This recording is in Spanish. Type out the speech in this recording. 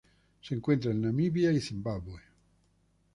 Se encuentra en Namibia y Zimbabue.